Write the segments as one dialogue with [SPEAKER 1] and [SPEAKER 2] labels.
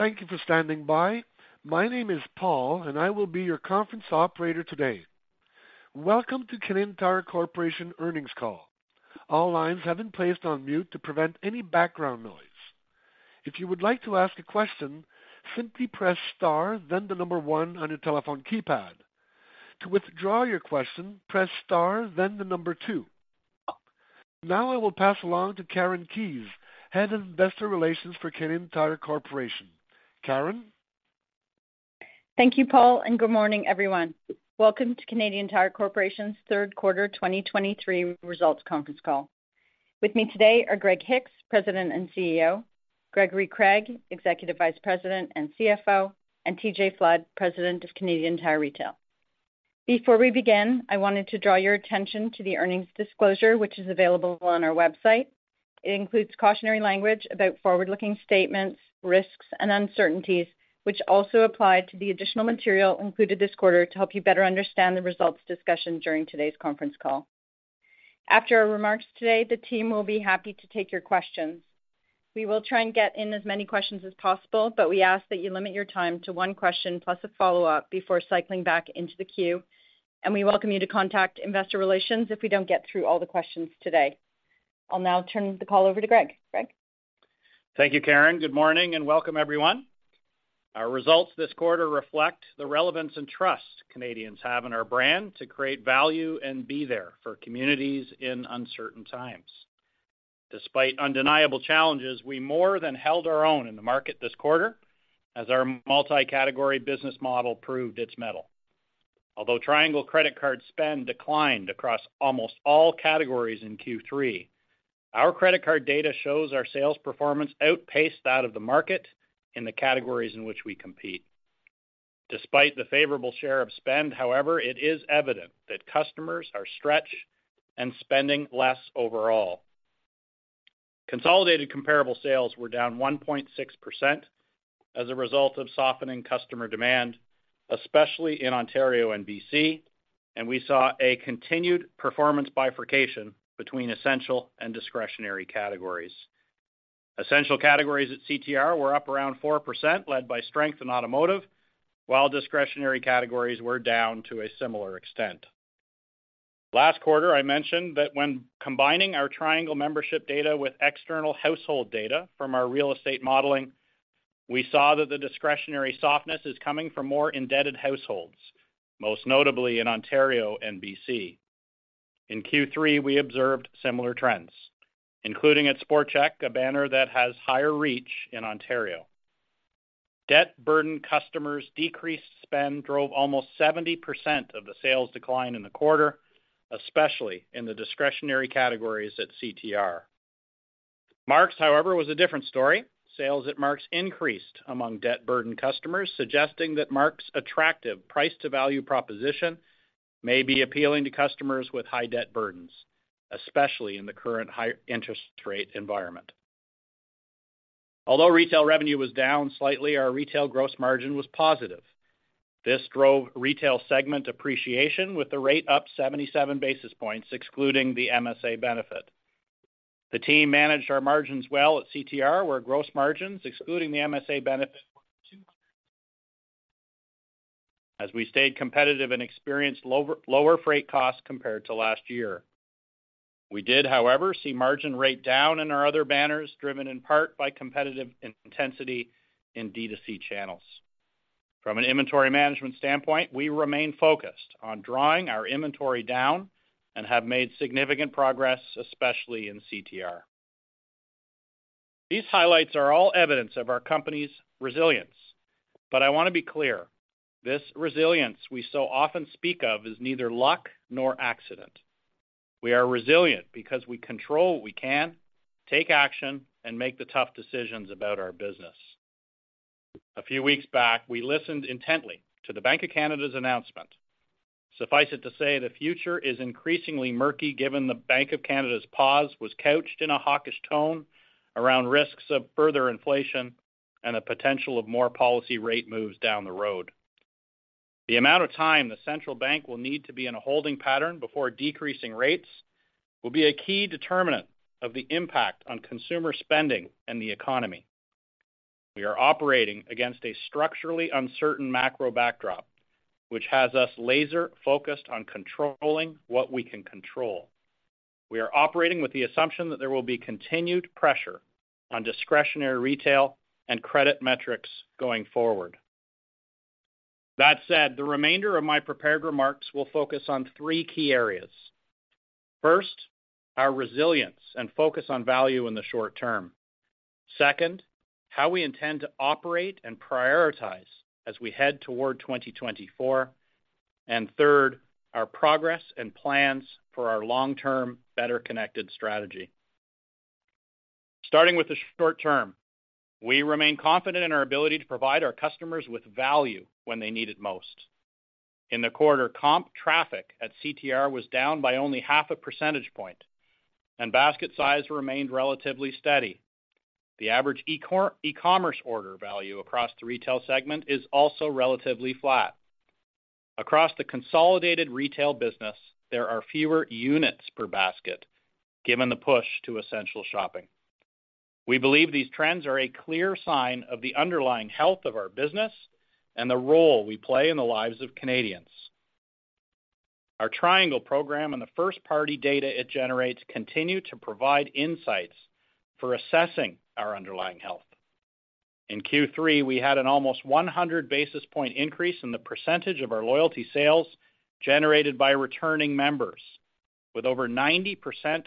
[SPEAKER 1] Thank you for standing by. My name is Paul, and I will be your conference operator today. Welcome to Canadian Tire Corporation earnings call. All lines have been placed on mute to prevent any background noise. If you would like to ask a question, simply press star, then the number one on your telephone keypad. To withdraw your question, press star, then the number two. Now I will pass along to Karen Keyes, Head of Investor Relations for Canadian Tire Corporation. Karen?
[SPEAKER 2] Thank you, Paul, and good morning, everyone. Welcome to Canadian Tire Corporation's third quarter 2023 results conference call. With me today are Greg Hicks, President and CEO, Gregory Craig, Executive Vice President and CFO, and TJ Flood, President of Canadian Tire Retail. Before we begin, I wanted to draw your attention to the earnings disclosure, which is available on our website. It includes cautionary language about forward-looking statements, risks, and uncertainties, which also apply to the additional material included this quarter to help you better understand the results discussion during today's conference call. After our remarks today, the team will be happy to take your questions. We will try and get in as many questions as possible, but we ask that you limit your time to one question plus a follow-up before cycling back into the queue, and we welcome you to contact Investor Relations if we don't get through all the questions today. I'll now turn the call over to Greg. Greg?
[SPEAKER 3] Thank you, Karen. Good morning, and welcome everyone. Our results this quarter reflect the relevance and trust Canadians have in our brand to create value and be there for communities in uncertain times. Despite undeniable challenges, we more than held our own in the market this quarter as our multi-category business model proved its mettle. Although Triangle credit card spend declined across almost all categories in Q3, our credit card data shows our sales performance outpaced that of the market in the categories in which we compete. Despite the favorable share of spend, however, it is evident that customers are stretched and spending less overall. Consolidated comparable sales were down 1.6% as a result of softening customer demand, especially in Ontario and BC, and we saw a continued performance bifurcation between essential and discretionary categories. Essential categories at CTR were up around 4%, led by strength in automotive, while discretionary categories were down to a similar extent. Last quarter, I mentioned that when combining our Triangle membership data with external household data from our real estate modeling, we saw that the discretionary softness is coming from more indebted households, most notably in Ontario and BC. In Q3, we observed similar trends, including at Sport Chek, a banner that has higher reach in Ontario. Debt-burdened customers' decreased spend drove almost 70% of the sales decline in the quarter, especially in the discretionary categories at CTR. Mark's, however, was a different story. Sales at Mark's increased among debt-burdened customers, suggesting that Mark's attractive price to value proposition may be appealing to customers with high debt burdens, especially in the current high interest rate environment. Although retail revenue was down slightly, our retail gross margin was positive. This drove retail segment appreciation, with the rate up 77 basis points, excluding the MSA benefit. The team managed our margins well at CTR, where gross margins, excluding the MSA benefit. As we stayed competitive and experienced lower freight costs compared to last year. We did, however, see margin rate down in our other banners, driven in part by competitive intensity in D2C channels. From an inventory management standpoint, we remain focused on drawing our inventory down and have made significant progress, especially in CTR. These highlights are all evidence of our company's resilience, but I want to be clear, this resilience we so often speak of is neither luck nor accident. We are resilient because we control what we can, take action, and make the tough decisions about our business. A few weeks back, we listened intently to the Bank of Canada’s announcement. Suffice it to say, the future is increasingly murky, given the Bank of Canada's pause was couched in a hawkish tone around risks of further inflation and the potential of more policy rate moves down the road. The amount of time the central bank will need to be in a holding pattern before decreasing rates will be a key determinant of the impact on consumer spending and the economy. We are operating against a structurally uncertain macro backdrop, which has us laser-focused on controlling what we can control. We are operating with the assumption that there will be continued pressure on discretionary retail and credit metrics going forward. That said, the remainder of my prepared remarks will focus on three key areas. First, our resilience and focus on value in the short term. Second, how we intend to operate and prioritize as we head toward 2024. Third, our progress and plans for our long-term, Better Connected strategy. Starting with the short term, we remain confident in our ability to provide our customers with value when they need it most. In the quarter, comp traffic at CTR was down by only half a percentage point, and basket size remained relatively steady. The average e-commerce order value across the retail segment is also relatively flat. Across the consolidated retail business, there are fewer units per basket, given the push to essential shopping. We believe these trends are a clear sign of the underlying health of our business and the role we play in the lives of Canadians. Our Triangle program and the first-party data it generates continue to provide insights for assessing our underlying health. In Q3, we had an almost 100 basis points increase in the percentage of our loyalty sales generated by returning members, with over 90%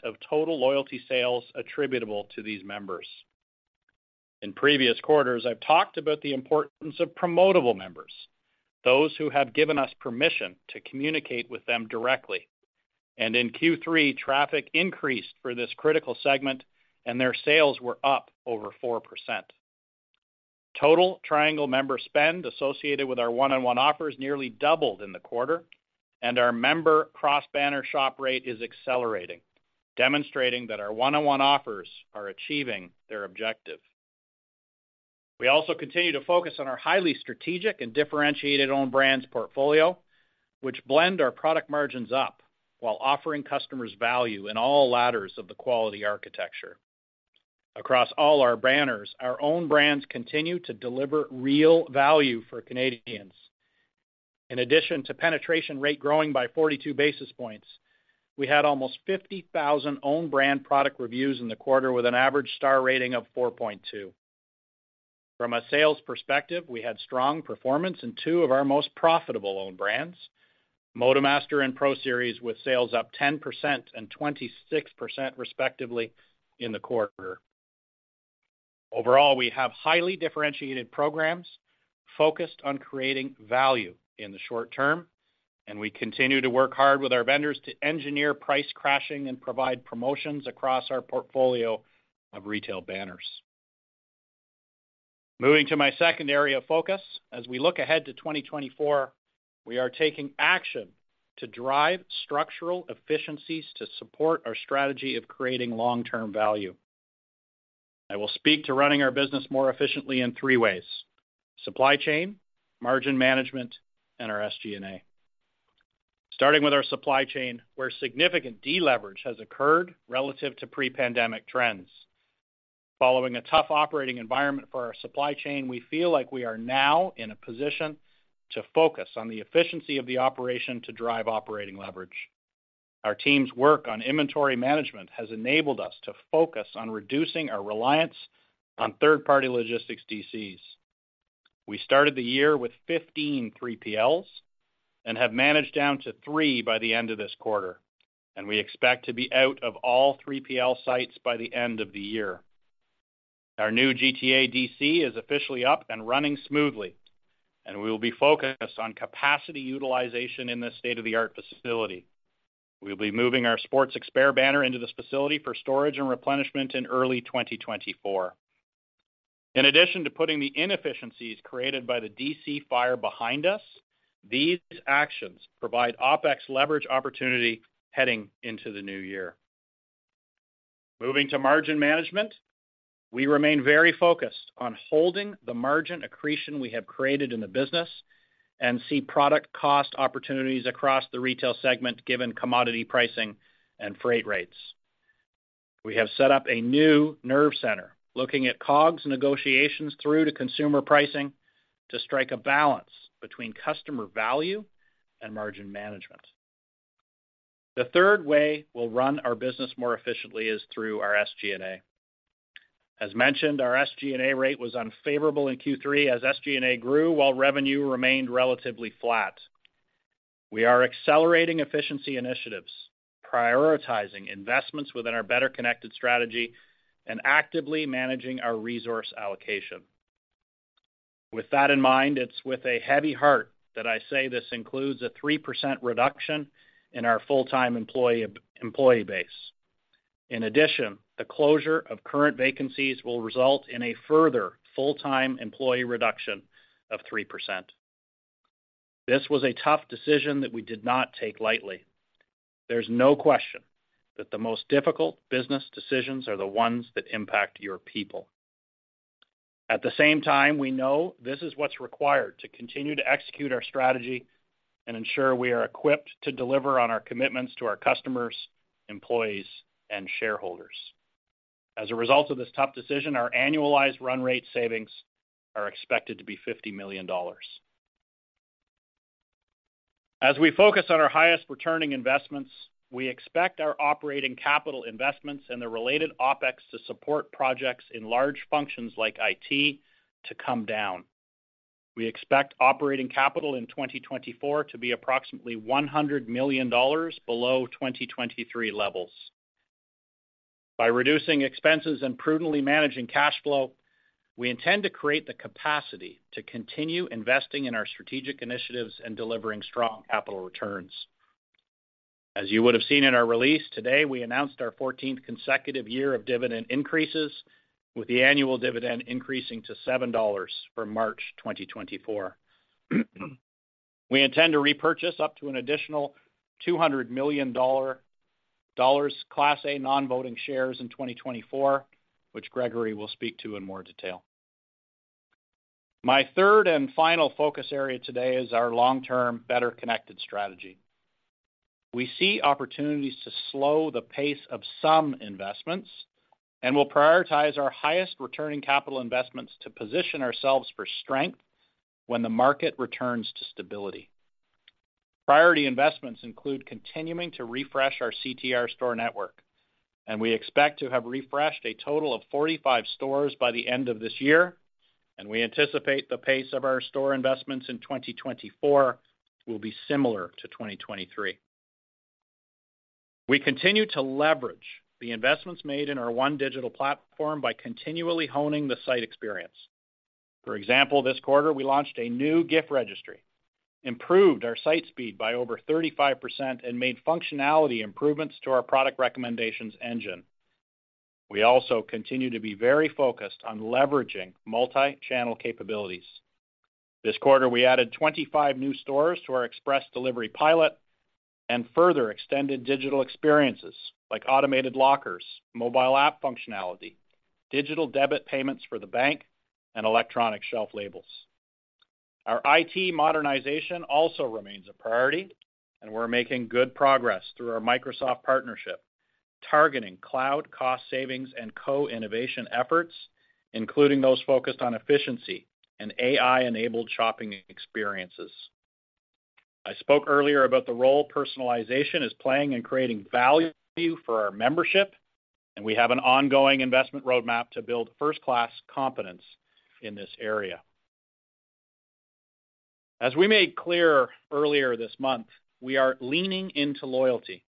[SPEAKER 3] of total loyalty sales attributable to these members. In previous quarters, I've talked about the importance of promotable members, those who have given us permission to communicate with them directly. In Q3, traffic increased for this critical segment, and their sales were up over 4%. Total Triangle member spend associated with our one-on-one offers nearly doubled in the quarter, and our member cross-banner shop rate is accelerating, demonstrating that our one-on-one offers are achieving their objective. We also continue to focus on our highly strategic and differentiated own brands portfolio, which blend our product margins up while offering customers value in all ladders of the quality architecture. Across all our banners, our own brands continue to deliver real value for Canadians. In addition to penetration rate growing by 42 basis points, we had almost 50,000 own brand product reviews in the quarter, with an average star rating of 4.2. From a sales perspective, we had strong performance in two of our most profitable own brands, MotoMaster and Pro Series, with sales up 10% and 26%, respectively, in the quarter. Overall, we have highly differentiated programs focused on creating value in the short term, and we continue to work hard with our vendors to engineer price crashing and provide promotions across our portfolio of retail banners. Moving to my second area of focus. As we look ahead to 2024, we are taking action to drive structural efficiencies to support our strategy of creating long-term value. I will speak to running our business more efficiently in three ways: supply chain, margin management, and our SG&A. Starting with our supply chain, where significant deleverage has occurred relative to pre-pandemic trends. Following a tough operating environment for our supply chain, we feel like we are now in a position to focus on the efficiency of the operation to drive operating leverage. Our team's work on inventory management has enabled us to focus on reducing our reliance on third-party logistics DCs. We started the year with 15 3PLs and have managed down to three by the end of this quarter, and we expect to be out of all 3PL sites by the end of the year. Our new GTA DC is officially up and running smoothly, and we will be focused on capacity utilization in this state-of-the-art facility. We'll be moving our Sports Experts banner into this facility for storage and replenishment in early 2024. In addition to putting the inefficiencies created by the DC fire behind us, these actions provide OpEx leverage opportunity heading into the new year. Moving to margin management, we remain very focused on holding the margin accretion we have created in the business and see product cost opportunities across the retail segment, given commodity pricing and freight rates. We have set up a new nerve center, looking at COGS negotiations through to consumer pricing, to strike a balance between customer value and margin management. The third way we'll run our business more efficiently is through our SG&A. As mentioned, our SG&A rate was unfavorable in Q3 as SG&A grew while revenue remained relatively flat. We are accelerating efficiency initiatives, prioritizing investments within our Better Connected strategy, and actively managing our resource allocation. With that in mind, it's with a heavy heart that I say this includes a 3% reduction in our full-time employee base. In addition, the closure of current vacancies will result in a further full-time employee reduction of 3%. This was a tough decision that we did not take lightly. There's no question that the most difficult business decisions are the ones that impact your people. At the same time, we know this is what's required to continue to execute our strategy and ensure we are equipped to deliver on our commitments to our customers, employees, and shareholders. As a result of this tough decision, our annualized run rate savings are expected to be 50 million dollars. As we focus on our highest returning investments, we expect our operating capital investments and the related OpEx to support projects in large functions like IT to come down. We expect operating capital in 2024 to be approximately $100 million below 2023 levels. By reducing expenses and prudently managing cash flow, we intend to create the capacity to continue investing in our strategic initiatives and delivering strong capital returns. As you would have seen in our release, today, we announced our 14th consecutive year of dividend increases, with the annual dividend increasing to $7 for March 2024. We intend to repurchase up to an additional $200 million dollars Class A non-voting shares in 2024, which Gregory will speak to in more detail. My third and final focus area today is our long-term Better Connected strategy. We see opportunities to slow the pace of some investments, and we'll prioritize our highest returning capital investments to position ourselves for strength when the market returns to stability. Priority investments include continuing to refresh our CTR store network, and we expect to have refreshed a total of 45 stores by the end of this year, and we anticipate the pace of our store investments in 2024 will be similar to 2023. We continue to leverage the investments made in our One Digital Platform by continually honing the site experience. For example, this quarter, we launched a new gift registry, improved our site speed by over 35%, and made functionality improvements to our product recommendations engine. We also continue to be very focused on leveraging multi-channel capabilities. This quarter, we added 25 new stores to our express delivery pilot and further extended digital experiences like automated lockers, mobile app functionality, digital debit payments for the bank, and electronic shelf labels. Our IT modernization also remains a priority, and we're making good progress through our Microsoft partnership, targeting cloud cost savings and co-innovation efforts, including those focused on efficiency and AI-enabled shopping experiences. I spoke earlier about the role personalization is playing in creating value for our membership, and we have an ongoing investment roadmap to build first-class competence in this area. As we made clear earlier this month, we are leaning into loyalty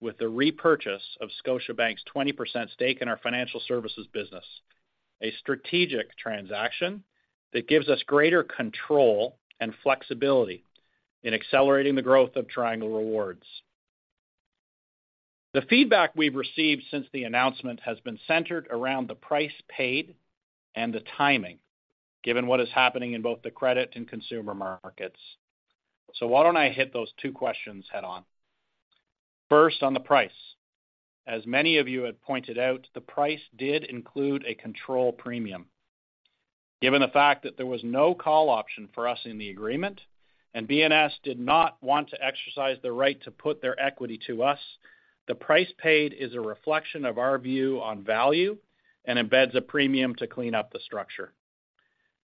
[SPEAKER 3] with the repurchase of Scotiabank's 20% stake in our financial services business, a strategic transaction that gives us greater control and flexibility in accelerating the growth of Triangle Rewards. The feedback we've received since the announcement has been centered around the price paid and the timing, given what is happening in both the credit and consumer markets. Why don't I hit those two questions head-on? First, on the price. As many of you have pointed out, the price did include a control premium. Given the fact that there was no call option for us in the agreement, and BNS did not want to exercise the right to put their equity to us, the price paid is a reflection of our view on value and embeds a premium to clean up the structure.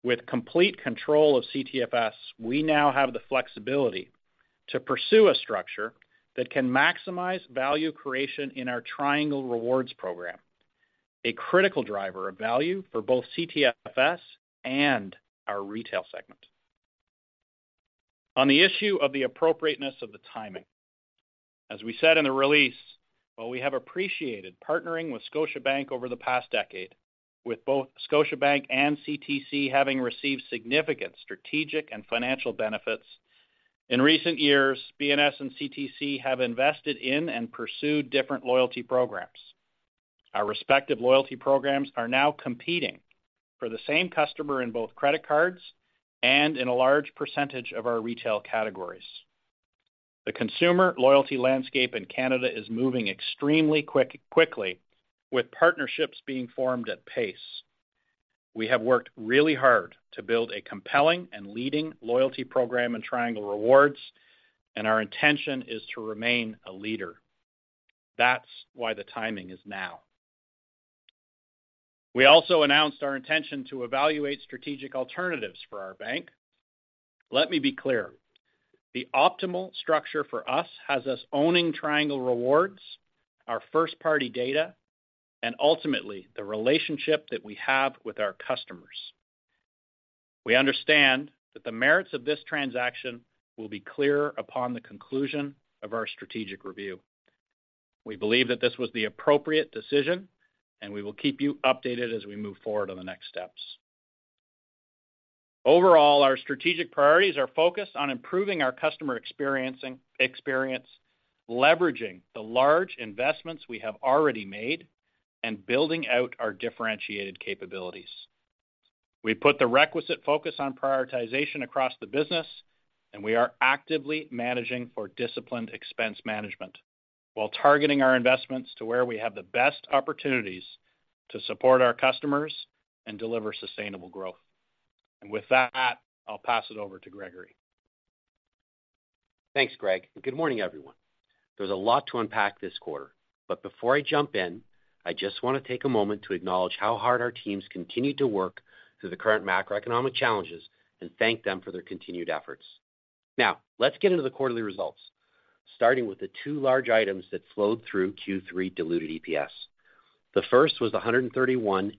[SPEAKER 3] With complete control of CTFS, we now have the flexibility to pursue a structure that can maximize value creation in our Triangle Rewards program, a critical driver of value for both CTFS and our retail segment. On the issue of the appropriateness of the timing. As we said in the release, while we have appreciated partnering with Scotiabank over the past decade, with both Scotiabank and CTC having received significant strategic and financial benefits, in recent years, BNS and CTC have invested in and pursued different loyalty programs. Our respective loyalty programs are now competing for the same customer in both credit cards and in a large percentage of our retail categories. The consumer loyalty landscape in Canada is moving extremely quick, quickly, with partnerships being formed at pace. We have worked really hard to build a compelling and leading loyalty program in Triangle Rewards, and our intention is to remain a leader. That's why the timing is now. We also announced our intention to evaluate strategic alternatives for our bank. Let me be clear, the optimal structure for us has us owning Triangle Rewards, our first-party data, and ultimately, the relationship that we have with our customers. We understand that the merits of this transaction will be clear upon the conclusion of our strategic review. We believe that this was the appropriate decision, and we will keep you updated as we move forward on the next steps. Overall, our strategic priorities are focused on improving our customer experience, leveraging the large investments we have already made, and building out our differentiated capabilities. We put the requisite focus on prioritization across the business, and we are actively managing for disciplined expense management while targeting our investments to where we have the best opportunities to support our customers and deliver sustainable growth. With that, I'll pass it over to Gregory.
[SPEAKER 4] Thanks, Greg, and good morning, everyone. There's a lot to unpack this quarter, but before I jump in, I just want to take a moment to acknowledge how hard our teams continue to work through the current macroeconomic challenges and thank them for their continued efforts. Now, let's get into the quarterly results, starting with the two large items that flowed through Q3 diluted EPS. The first was the 131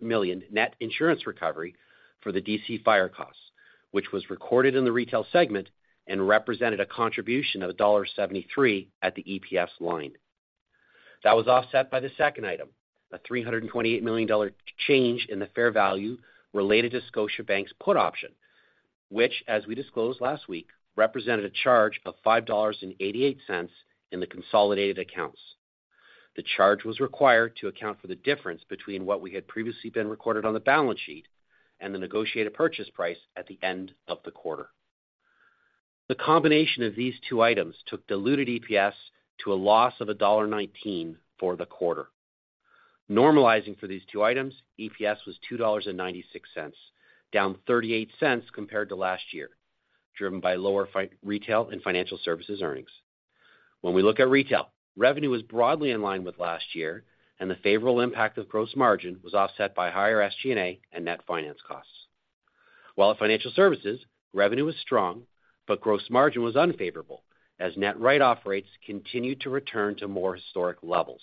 [SPEAKER 4] million net insurance recovery for the DC fire costs, which was recorded in the retail segment and represented a contribution of $1.73 at the EPS line. That was offset by the second item, a 328 million dollar change in the fair value related to Scotiabank's put option, which, as we disclosed last week, represented a charge of $5.88 in the consolidated accounts. The charge was required to account for the difference between what we had previously been recorded on the balance sheet and the negotiated purchase price at the end of the quarter. The combination of these two items took diluted EPS to a loss of $1.19 for the quarter. Normalizing for these two items, EPS was $2.96, down $0.38 compared to last year, driven by lower retail and financial services earnings. When we look at retail, revenue was broadly in line with last year, and the favorable impact of gross margin was offset by higher SG&A and net finance costs. While at financial services, revenue was strong, but gross margin was unfavorable as net write-off rates continued to return to more historic levels.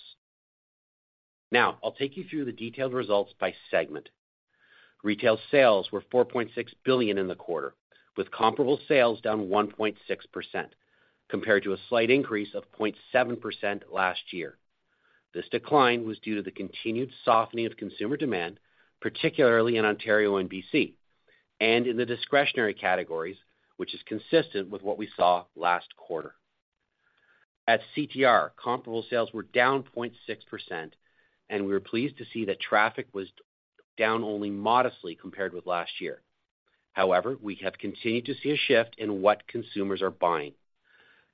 [SPEAKER 4] Now, I'll take you through the detailed results by segment. Retail sales were 4.6 billion in the quarter, with comparable sales down 1.6% compared to a slight increase of 0.7% last year. This decline was due to the continued softening of consumer demand, particularly in Ontario and BC, and in the discretionary categories, which is consistent with what we saw last quarter. At CTR, comparable sales were down 0.6%, and we were pleased to see that traffic was down only modestly compared with last year. However, we have continued to see a shift in what consumers are buying.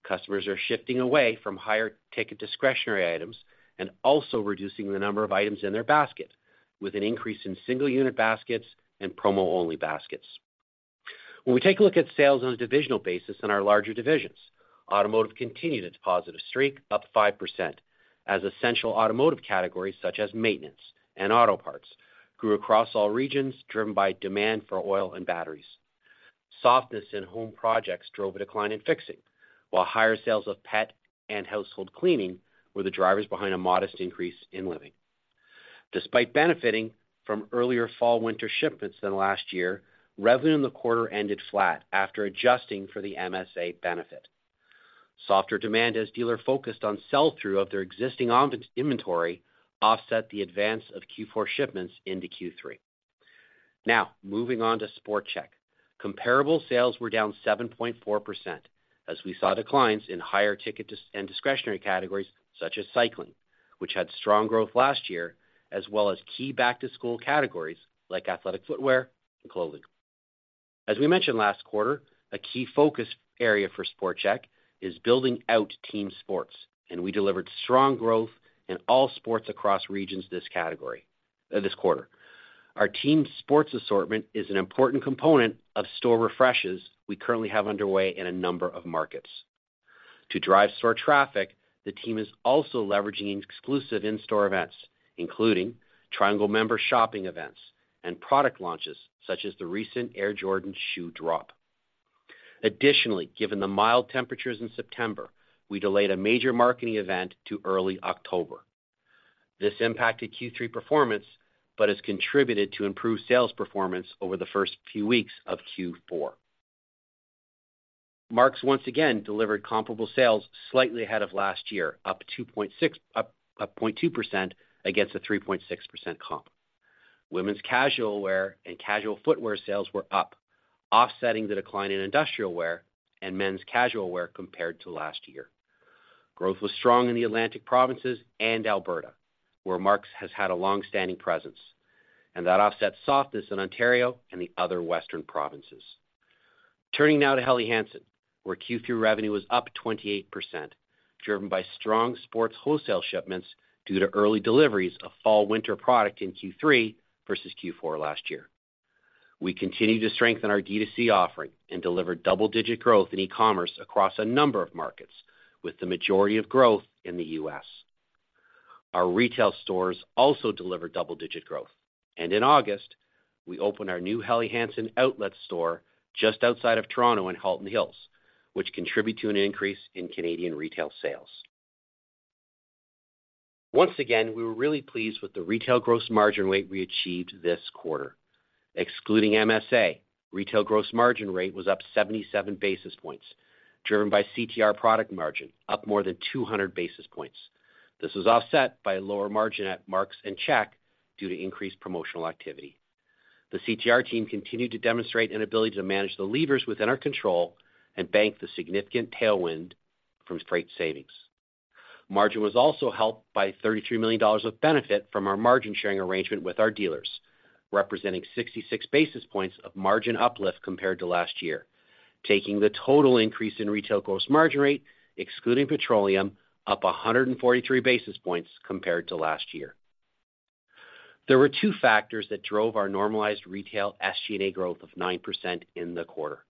[SPEAKER 4] Customers are shifting away from higher-ticket discretionary items and also reducing the number of items in their basket, with an increase in single-unit baskets and promo-only baskets. When we take a look at sales on a divisional basis in our larger divisions, automotive continued its positive streak, up 5%, as essential automotive categories, such as maintenance and auto parts, grew across all regions, driven by demand for oil and batteries. Softness in home projects drove a decline in fixing, while higher sales of pet and household cleaning were the drivers behind a modest increase in living. Despite benefiting from earlier fall-winter shipments than last year, revenue in the quarter ended flat after adjusting for the MSA benefit. Softer demand as dealer focused on sell-through of their existing on-inventory, offset the advance of Q4 shipments into Q3. Now, moving on to Sport Chek. Comparable sales were down 7.4%, as we saw declines in higher-ticket discretionary categories such as cycling, which had strong growth last year, as well as key back-to-school categories like athletic footwear and clothing. As we mentioned last quarter, a key focus area for Sport Chek is building out team sports, and we delivered strong growth in all sports across regions this category, this quarter. Our team sports assortment is an important component of store refreshes we currently have underway in a number of markets. To drive store traffic, the team is also leveraging exclusive in-store events, including Triangle Member shopping events and product launches, such as the recent Air Jordan shoe drop. Additionally, given the mild temperatures in September, we delayed a major marketing event to early October. This impacted Q3 performance but has contributed to improved sales performance over the first few weeks of Q4. Mark's once again delivered comparable sales slightly ahead of last year, up 0.2% against a 3.6% comp. Women's casual wear and casual footwear sales were up, offsetting the decline in industrial wear and men's casual wear compared to last year. Growth was strong in the Atlantic provinces and Alberta, where Mark's has had a long-standing presence, and that offset softness in Ontario and the other western provinces. Turning now to Helly Hansen, where Q3 revenue was up 28%, driven by strong sports wholesale shipments due to early deliveries of fall/winter product in Q3 versus Q4 last year. We continued to strengthen our D2C offering and delivered double-digit growth in e-commerce across a number of markets, with the majority of growth in the U.S. Our retail stores also delivered double-digit growth, and in August, we opened our new Helly Hansen outlet store just outside of Toronto in Halton Hills, which contribute to an increase in Canadian retail sales. Once again, we were really pleased with the retail gross margin rate we achieved this quarter. Excluding MSA, retail gross margin rate was up 77 basis points, driven by CTR product margin up more than 200 basis points. This was offset by a lower margin at Mark's and Sport Chek due to increased promotional activity. The CTR team continued to demonstrate an ability to manage the levers within our control and bank the significant tailwind from freight savings. Margin was also helped by 33 million dollars of benefit from our margin-sharing arrangement with our dealers, representing 66 basis points of margin uplift compared to last year, taking the total increase in retail gross margin rate, excluding Petroleum, up 143 basis points compared to last year. There were two factors that drove our normalized retail SG&A growth of 9% in the quarter.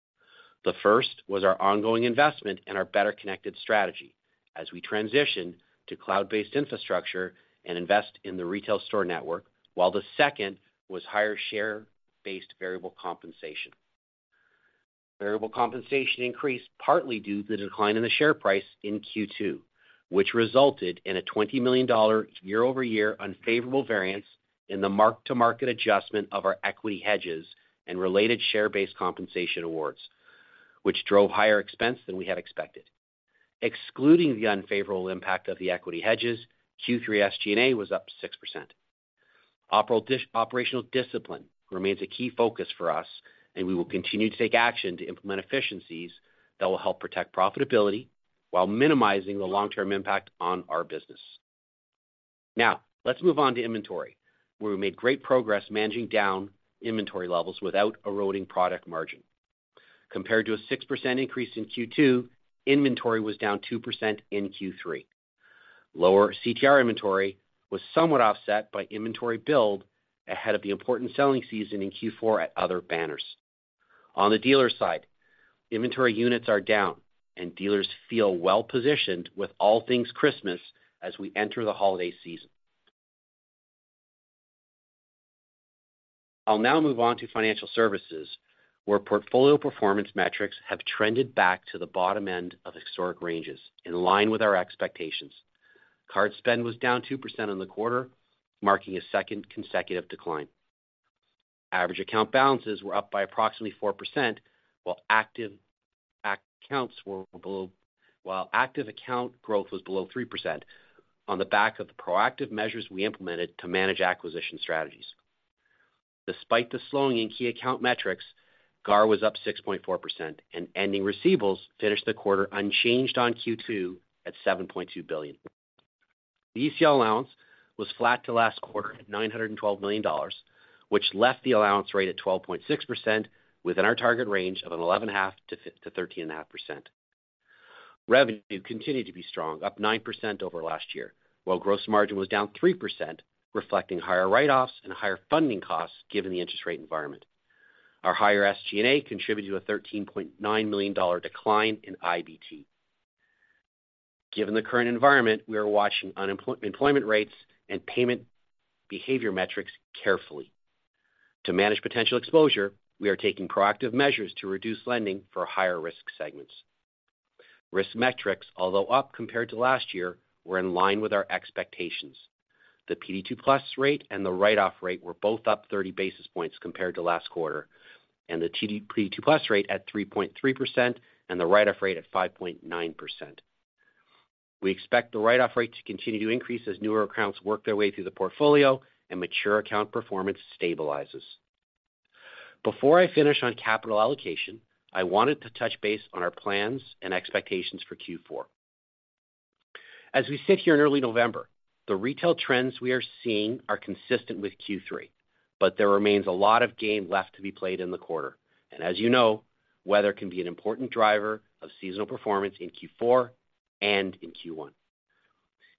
[SPEAKER 4] The first was our ongoing investment in our Better Connected strategy as we transition to cloud-based infrastructure and invest in the retail store network, while the second was higher share-based variable compensation. Variable compensation increased partly due to the decline in the share price in Q2, which resulted in a 20 million dollar year-over-year unfavorable variance in the mark-to-market adjustment of our equity hedges and related share-based compensation awards, which drove higher expense than we had expected. Excluding the unfavorable impact of the equity hedges, Q3 SG&A was up 6%. Operational discipline remains a key focus for us, and we will continue to take action to implement efficiencies that will help protect profitability while minimizing the long-term impact on our business. Now, let's move on to inventory, where we made great progress managing down inventory levels without eroding product margin. Compared to a 6% increase in Q2, inventory was down 2% in Q3. Lower CTR inventory was somewhat offset by inventory build ahead of the important selling season in Q4 at other banners. On the dealer side, inventory units are down, and dealers feel well-positioned with all things Christmas as we enter the holiday season. I'll now move on to financial services, where portfolio performance metrics have trended back to the bottom end of historic ranges, in line with our expectations. Card spend was down 2% in the quarter, marking a second consecutive decline. Average account balances were up by approximately 4%, while active account growth was below 3% on the back of the proactive measures we implemented to manage acquisition strategies. Despite the slowing in key account metrics, GAAR was up 6.4%, and ending receivables finished the quarter unchanged on Q2 at 7.2 billion. The ECL allowance was flat to last quarter at 912 million dollars, which left the allowance rate at 12.6% within our target range of 11.5%-13.5%. Revenue continued to be strong, up 9% over last year, while gross margin was down 3%, reflecting higher write-offs and higher funding costs, given the interest rate environment. Our higher SG&A contributed to a 13.9 million dollar decline in IBT. Given the current environment, we are watching unemployment rates and payment behavior metrics carefully. To manage potential exposure, we are taking proactive measures to reduce lending for higher-risk segments. Risk metrics, although up compared to last year, were in line with our expectations. The PD2+ rate and the write-off rate were both up 30 basis points compared to last quarter, and the PD2+ rate at 3.3% and the write-off rate at 5.9%. We expect the write-off rate to continue to increase as newer accounts work their way through the portfolio and mature account performance stabilizes. Before I finish on capital allocation, I wanted to touch base on our plans and expectations for Q4. As we sit here in early November, the retail trends we are seeing are consistent with Q3, but there remains a lot of game left to be played in the quarter. As you know, weather can be an important driver of seasonal performance in Q4 and in Q1.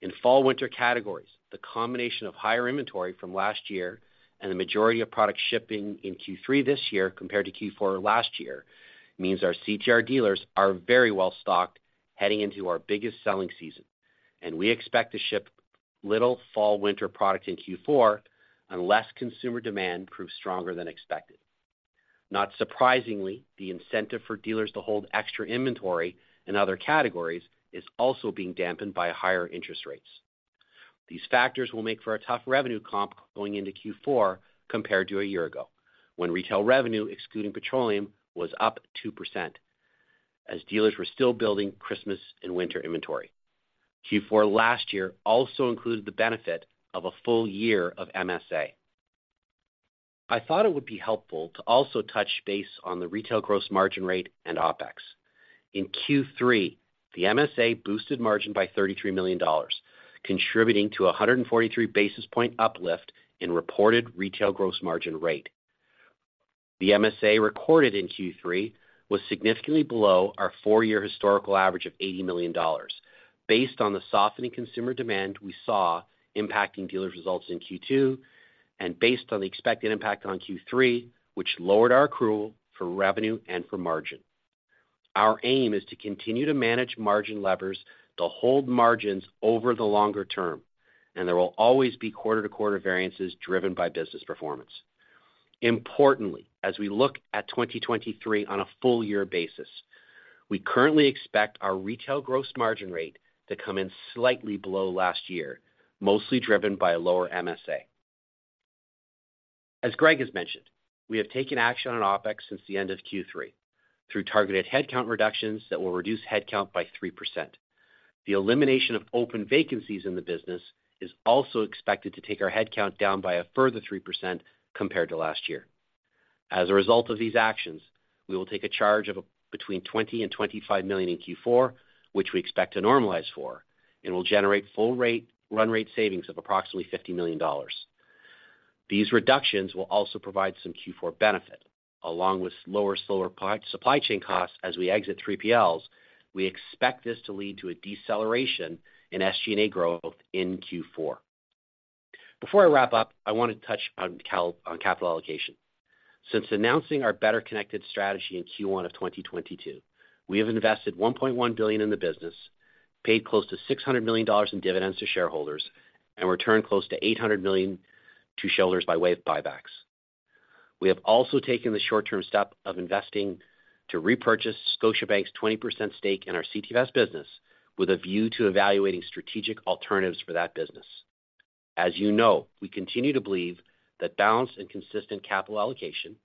[SPEAKER 4] In fall/winter categories, the combination of higher inventory from last year and the majority of product shipping in Q3 this year compared to Q4 last year, means our CTR dealers are very well stocked heading into our biggest selling season, and we expect to ship little fall/winter product in Q4 unless consumer demand proves stronger than expected. Not surprisingly, the incentive for dealers to hold extra inventory in other categories is also being dampened by higher interest rates. These factors will make for a tough revenue comp going into Q4 compared to a year ago, when retail revenue, excluding Petroleum, was up 2%, as dealers were still building Christmas and winter inventory. Q4 last year also included the benefit of a full year of MSA. I thought it would be helpful to also touch base on the retail gross margin rate and OpEx. In Q3, the MSA boosted margin by $33 million, contributing to a 143 basis point uplift in reported retail gross margin rate. The MSA recorded in Q3 was significantly below our four year historical average of $80 million. Based on the softening consumer demand we saw impacting dealers' results in Q2, and based on the expected impact on Q3, which lowered our accrual for revenue and for margin. Our aim is to continue to manage margin levers to hold margins over the longer term, and there will always be quarter-to-quarter variances driven by business performance. Importantly, as we look at 2023 on a full year basis, we currently expect our retail gross margin rate to come in slightly below last year, mostly driven by a lower MSA. As Greg has mentioned, we have taken action on OpEx since the end of Q3 through targeted headcount reductions that will reduce headcount by 3%. The elimination of open vacancies in the business is also expected to take our headcount down by a further 3% compared to last year. As a result of these actions, we will take a charge of between 20 million and 25 million in Q4, which we expect to normalize for and will generate full rate, run rate savings of approximately $50 million. These reductions will also provide some Q4 benefit, along with lower supply chain costs as we exit 3PLs. We expect this to lead to a deceleration in SG&A growth in Q4. Before I wrap up, I want to touch on capital allocation. Since announcing our Better Connected strategy in Q1 of 2022, we have invested 1.1 billion in the business, paid close to $600 million in dividends to shareholders, and returned close to 800 million to shareholders by way of buybacks. We have also taken the short-term step of investing to repurchase Scotiabank's 20% stake in our CTFS business with a view to evaluating strategic alternatives for that business. As you know, we continue to believe that balanced and consistent capital allocation-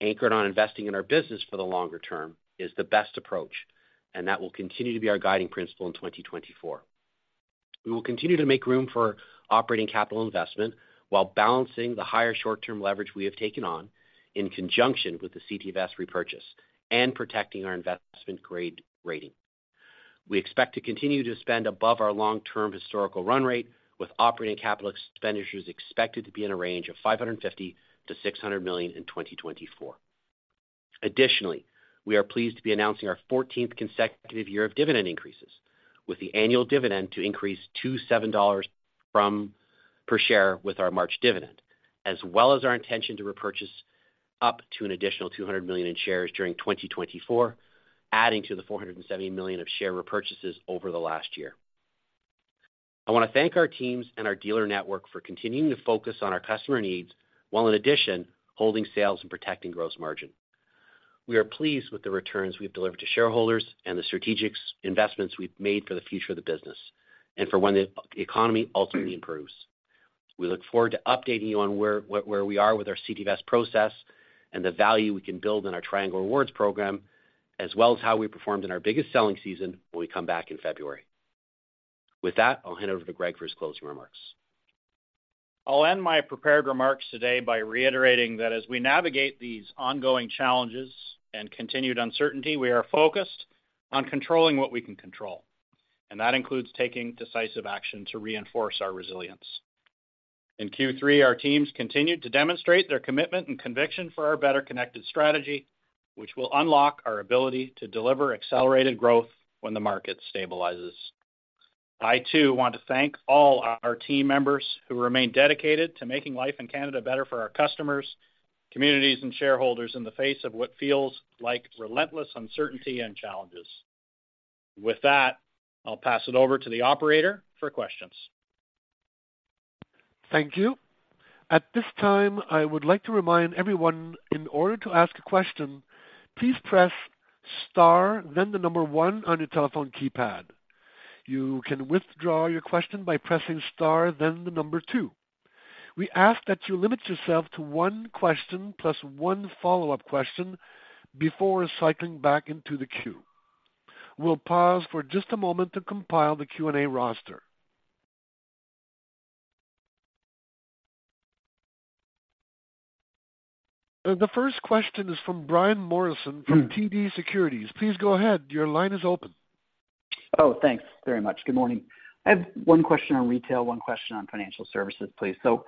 [SPEAKER 4] anchored on investing in our business for the longer term is the best approach, and that will continue to be our guiding principle in 2024. We will continue to make room for operating capital investment while balancing the higher short-term leverage we have taken on, in conjunction with the CTFS repurchase and protecting our investment-grade rating. We expect to continue to spend above our long-term historical run rate, with operating capital expenditures expected to be in a range of 550 million-600 million in 2024. Additionally, we are pleased to be announcing our 14th consecutive year of dividend increases, with the annual dividend to increase to $7 per share with our March dividend, as well as our intention to repurchase up to an additional 200 million in shares during 2024, adding to the 470 million of share repurchases over the last year. I want to thank our teams and our dealer network for continuing to focus on our customer needs, while in addition, holding sales and protecting gross margin. We are pleased with the returns we've delivered to shareholders and the strategic investments we've made for the future of the business and for when the economy ultimately improves. We look forward to updating you on where, what, where we are with our CTFS process and the value we can build in our Triangle Rewards program, as well as how we performed in our biggest selling season when we come back in February. With that, I'll hand over to Greg for his closing remarks.
[SPEAKER 3] I'll end my prepared remarks today by reiterating that as we navigate these ongoing challenges and continued uncertainty, we are focused on controlling what we can control, and that includes taking decisive action to reinforce our resilience. In Q3, our teams continued to demonstrate their commitment and conviction for our Better Connected strategy, which will unlock our ability to deliver accelerated growth when the market stabilizes. I, too, want to thank all our team members who remain dedicated to making life in Canada better for our customers, communities, and shareholders in the face of what feels like relentless uncertainty and challenges. With that, I'll pass it over to the operator for questions.
[SPEAKER 1] Thank you. At this time, I would like to remind everyone, in order to ask a question, please press star, then the number one on your telephone keypad. You can withdraw your question by pressing star, then the number two. We ask that you limit yourself to one question, plus one follow-up question before cycling back into the queue. We'll pause for just a moment to compile the Q&A roster. The first question is from Brian Morrison from TD Securities. Please go ahead. Your line is open.
[SPEAKER 5] Oh, thanks very much. Good morning. I have one question on retail, one question on financial services, please. So,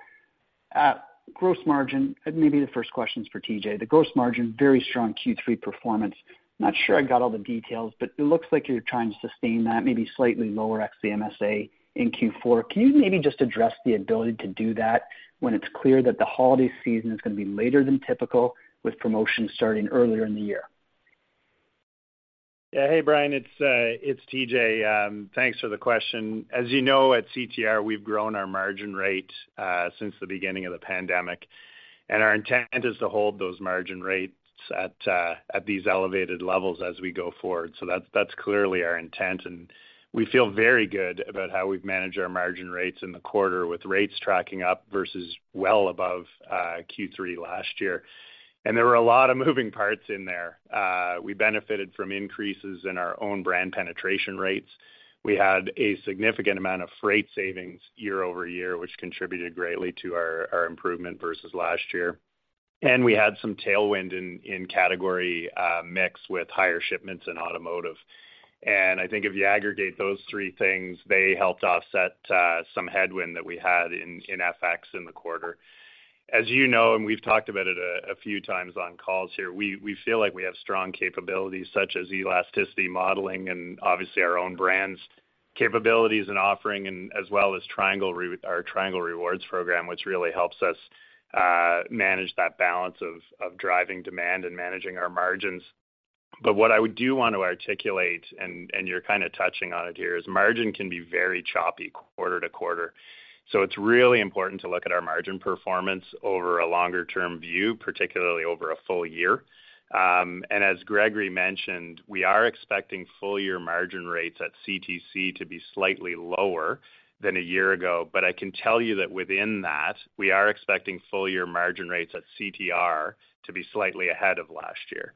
[SPEAKER 5] gross margin, and maybe the first question is for TJ. The gross margin, very strong Q3 performance. Not sure I got all the details, but it looks like you're trying to sustain that maybe slightly lower ex the MSA in Q4. Can you maybe just address the ability to do that when it's clear that the holiday season is going to be later than typical, with promotions starting earlier in the year?
[SPEAKER 6] Yeah. Hey, Brian, it's TJ. Thanks for the question. As you know, at CTR, we've grown our margin rate since the beginning of the pandemic, and our intent is to hold those margin rates at these elevated levels as we go forward. So that's clearly our intent, and we feel very good about how we've managed our margin rates in the quarter, with rates tracking up versus well above Q3 last year. And there were a lot of moving parts in there. We benefited from increases in our own brand penetration rates. We had a significant amount of freight savings year-over-year, which contributed greatly to our improvement versus last year. And we had some tailwind in category mix with higher shipments and automotive. I think if you aggregate those three things, they helped offset some headwind that we had in FX in the quarter. As you know, and we've talked about it a few times on calls here, we feel like we have strong capabilities, such as elasticity modeling, and obviously our own brands capabilities and offering, and as well as Triangle Rewards program, which really helps us manage that balance of driving demand and managing our margins. But what I would do want to articulate, and you're kind of touching on it here, is margin can be very choppy quarter to quarter. So it's really important to look at our margin performance over a longer-term view, particularly over a full year. As Gregory mentioned, we are expecting full year margin rates at CTC to be slightly lower than a year ago, but I can tell you that within that, we are expecting full year margin rates at CTR to be slightly ahead of last year.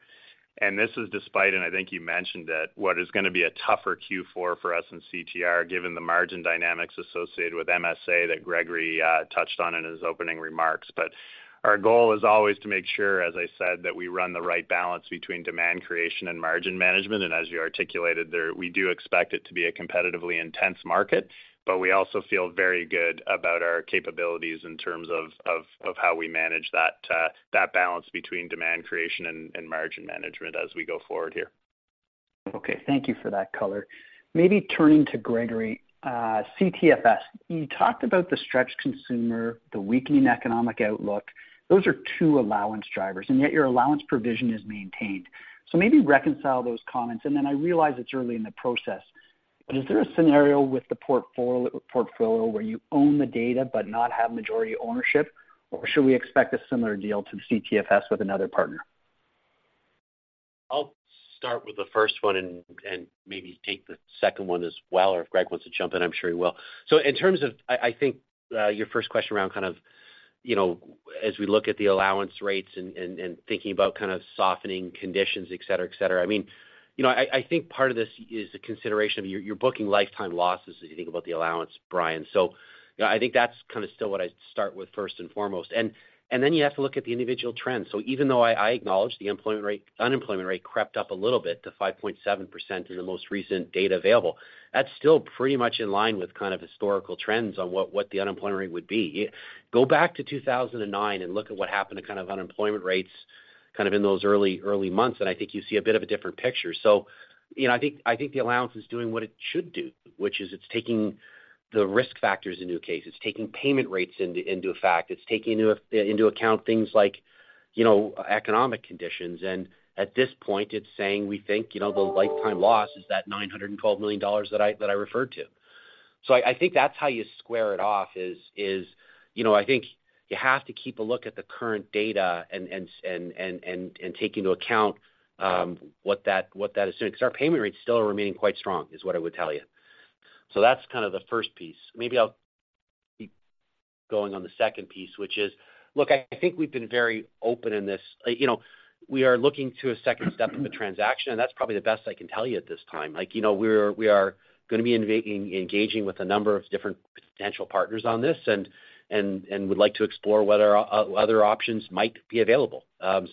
[SPEAKER 6] This is despite, and I think you mentioned it, what is gonna be a tougher Q4 for us in CTR, given the margin dynamics associated with MSA that Gregory touched on in his opening remarks. Our goal is always to make sure, as I said, that we run the right balance between demand creation and margin management. As you articulated there, we do expect it to be a competitively intense market, but we also feel very good about our capabilities in terms of how we manage that that balance between demand creation and margin management as we go forward here.
[SPEAKER 5] Okay, thank you for that color. Maybe turning to Gregory, CTFS. You talked about the stretched consumer, the weakening economic outlook. Those are two allowance drivers, and yet your allowance provision is maintained. So maybe reconcile those comments, and then I realize it's early in the process, but is there a scenario with the portfolio where you own the data but not have majority ownership, or should we expect a similar deal to CTFS with another partner?
[SPEAKER 4] I'll start with the first one and, and maybe take the second one as well, or if Greg wants to jump in, I'm sure he will. So in terms of, I, I think, your first question around kind of, you know, as we look at the allowance rates and, and, and thinking about kind of softening conditions, et cetera, et cetera. I mean, you know, I, I think part of this is a consideration of you're, you're booking lifetime losses as you think about the allowance, Brian. So I think that's kind of still what I'd start with first and foremost. And, and then you have to look at the individual trends. So even though I, I acknowledge the employment rate-unemployment rate crept up a little bit to 5.7% in the most recent data available, that's still pretty much in line with kind of historical trends on what, what the unemployment rate would be. Go back to 2009 and look at what happened to kind of unemployment rates, kind of in those early, early months, and I think you see a bit of a different picture. So you know, I think, I think the allowance is doing what it should do, which is it's taking the risk factors into a case. It's taking payment rates into, into a fact. It's taking into a- into account things like, you know, economic conditions. At this point, it's saying, we think, you know, the lifetime loss is that 912 million dollars that I referred to. So I think that's how you square it off, is, you know, I think you have to keep a look at the current data and take into account what that is doing. Because our payment rates still are remaining quite strong, is what I would tell you. So that's kind of the first piece. Maybe I'll keep going on the second piece, which is. Look, I think we've been very open in this. You know, we are looking to a second step of a transaction, and that's probably the best I can tell you at this time. Like, you know, we are, we are gonna be engaging with a number of different potential partners on this and, and, and would like to explore whether other options might be available.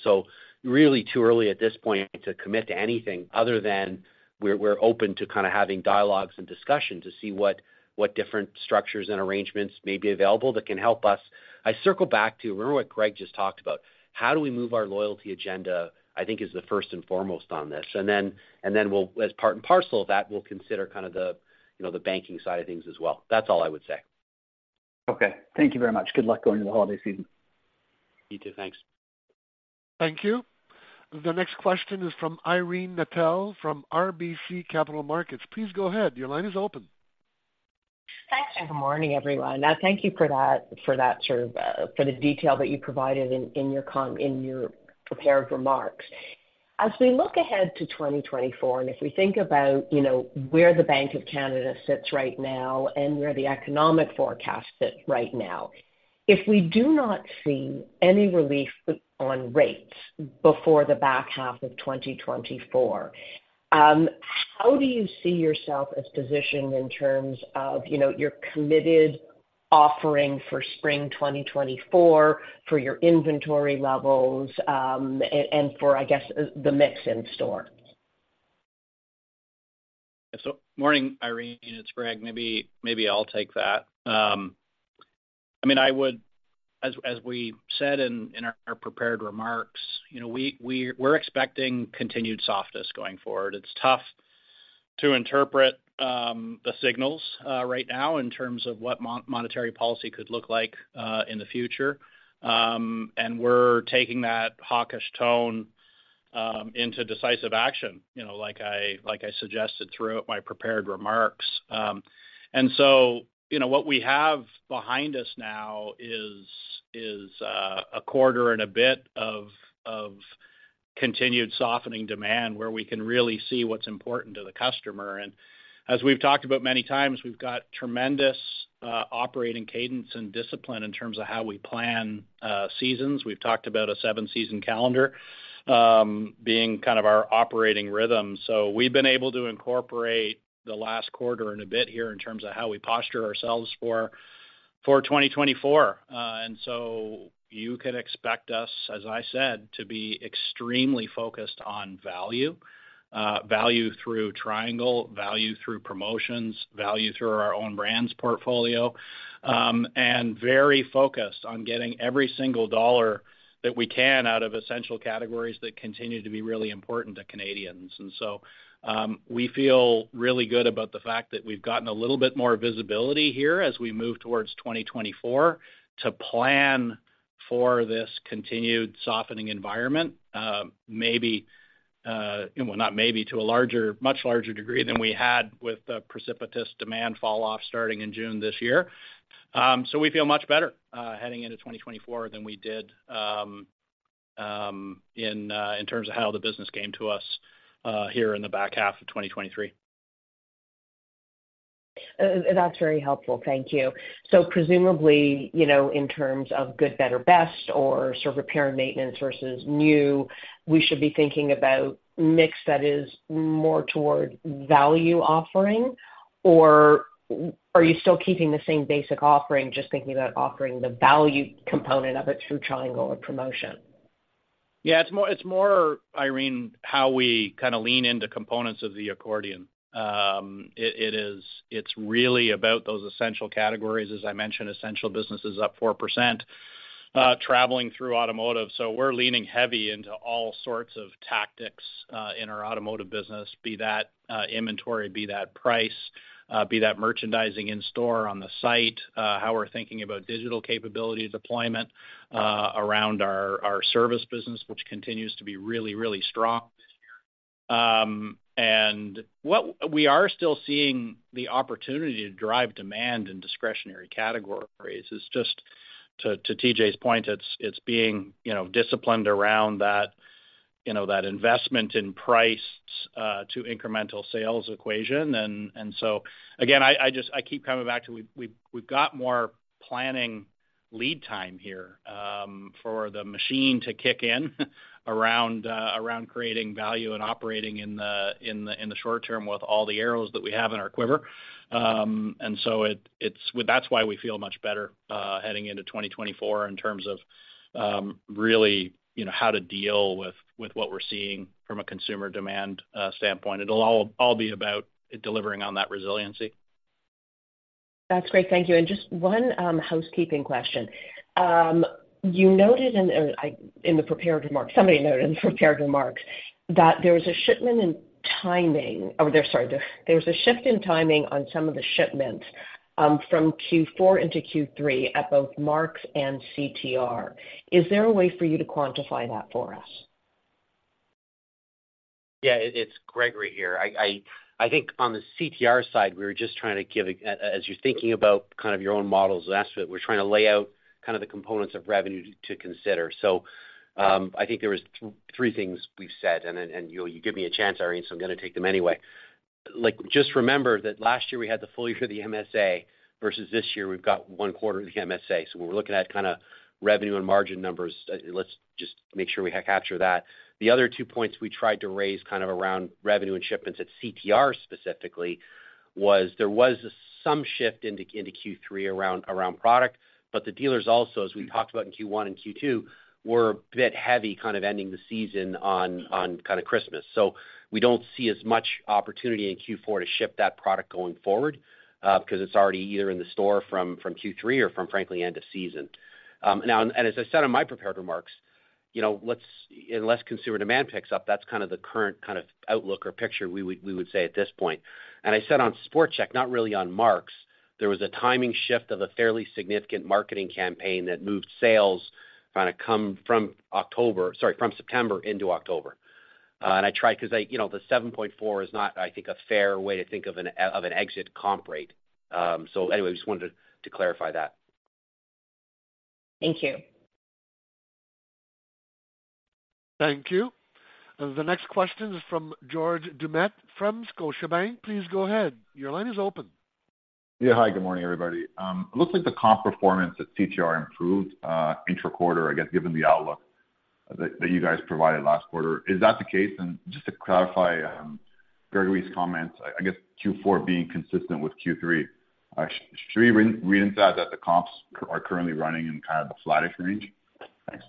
[SPEAKER 4] So really too early at this point to commit to anything other than we're, we're open to kind of having dialogues and discussions to see what, what different structures and arrangements may be available that can help us. I circle back to remember what Greg just talked about: how do we move our loyalty agenda, I think is the first and foremost on this. And then, and then we'll, as part and parcel of that, we'll consider kind of the, you know, the banking side of things as well. That's all I would say.
[SPEAKER 5] Okay, thank you very much. Good luck going into the holiday season.
[SPEAKER 4] You too. Thanks.
[SPEAKER 1] Thank you. The next question is from Irene Nattel, from RBC Capital Markets. Please go ahead. Your line is open.
[SPEAKER 7] Thanks, and good morning, everyone. Thank you for that, for that sort of, for the detail that you provided in, in your prepared remarks. As we look ahead to 2024, and if we think about, you know, where the Bank of Canada sits right now and where the economic forecast sit right now, if we do not see any relief on rates before the back half of 2024, how do you see yourself as positioned in terms of, you know, your committed offering for spring 2024, for your inventory levels, and, and for, I guess, the, the mix in store?
[SPEAKER 3] So morning, Irene, it's Greg. Maybe, maybe I'll take that. I mean, I would—as we said in our prepared remarks, you know, we're expecting continued softness going forward. It's tough to interpret the signals right now in terms of what monetary policy could look like in the future. And we're taking that hawkish tone into decisive action, you know, like I suggested throughout my prepared remarks. And so, you know, what we have behind us now is a quarter and a bit of continued softening demand, where we can really see what's important to the customer. And as we've talked about many times, we've got tremendous operating cadence and discipline in terms of how we plan seasons. We've talked about a seven-season calendar, being kind of our operating rhythm. So we've been able to incorporate the last quarter and a bit here in terms of how we posture ourselves for, for 2024. And so you can expect us, as I said, to be extremely focused on value. Value through triangle, value through promotions, value through our own brands portfolio, and very focused on getting every single dollar that we can out of essential categories that continue to be really important to Canadians. And so, we feel really good about the fact that we've gotten a little bit more visibility here as we move towards 2024, to plan for this continued softening environment. Maybe, well, not maybe, to a larger, much larger degree than we had with the precipitous demand falloff starting in June this year. So we feel much better, heading into 2024 than we did, in terms of how the business came to us, here in the back half of 2023.
[SPEAKER 7] That's very helpful. Thank you. So presumably, you know, in terms of good, better, best or sort of repair and maintenance versus new, we should be thinking about mix that is more toward value offering? Or are you still keeping the same basic offering, just thinking about offering the value component of it through Triangle or promotion?
[SPEAKER 3] Yeah, it's more, Irene, how we kind of lean into components of the accordion. It is—it's really about those essential categories. As I mentioned, essential business is up 4%, traveling through automotive. So we're leaning heavy into all sorts of tactics in our automotive business, be that inventory, be that price, be that merchandising in store on the site, how we're thinking about digital capability deployment around our service business, which continues to be really, really strong this year. And what we are still seeing the opportunity to drive demand in discretionary categories is just to TJ's point, it's being, you know, disciplined around that, you know, that investment in price to incremental sales equation. So again, I just keep coming back to we've got more planning lead time here for the machine to kick in around creating value and operating in the short term with all the arrows that we have in our quiver. And so it's. That's why we feel much better heading into 2024 in terms of really, you know, how to deal with what we're seeing from a consumer demand standpoint. It'll all be about delivering on that resiliency.
[SPEAKER 7] That's great. Thank you. And just one housekeeping question. You noted in, or I—in the prepared remarks, somebody noted in the prepared remarks that there was a shipment in timing, or there, sorry, there was a shift in timing on some of the shipments from Q4 into Q3 at both Mark's and CTR. Is there a way for you to quantify that for us?
[SPEAKER 4] Yeah, it's Gregory here. I think on the CTR side, we were just trying to give, as you're thinking about kind of your own models last bit, we're trying to lay out kind of the components of revenue to consider. So, I think there was three things we've said, and then, and you give me a chance, Irene, so I'm gonna take them anyway. Like, just remember that last year we had the full year of the MSA, versus this year, we've got one quarter of the MSA. So when we're looking at kind of revenue and margin numbers, let's just make sure we capture that. The other two points we tried to raise kind of around revenue and shipments at CTR specifically, was there was some shift into Q3 around product, but the dealers also, as we talked about in Q1 and Q2, were a bit heavy, kind of ending the season on kind of Christmas. So we don't see as much opportunity in Q4 to ship that product going forward, because it's already either in the store from Q3 or from, frankly, end of season. Now, and as I said in my prepared remarks, you know, let's, unless consumer demand picks up, that's kind of the current kind of outlook or picture we would say at this point. I said on Sport Chek, not really on Mark's, there was a timing shift of a fairly significant marketing campaign that moved sales from September into October. And I tried... You know, the 7.4 is not, I think, a fair way to think of an exit comp rate. So anyway, I just wanted to clarify that.
[SPEAKER 7] Thank you.
[SPEAKER 1] Thank you. The next question is from George Doumet from Scotiabank. Please go ahead. Your line is open.
[SPEAKER 8] Yeah, hi, good morning, everybody. Looks like the comp performance at CTR improved intraquarter, I guess, given the outlook that, that you guys provided last quarter. Is that the case? And just to clarify, Gregory's comments, I guess Q4 being consistent with Q3, should we reread into that, that the comps are currently running in kind of a flattish range? Thanks.